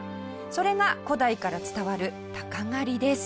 それが古代から伝わる鷹狩です。